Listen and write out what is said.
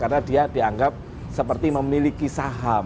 karena dia dianggap seperti memiliki saham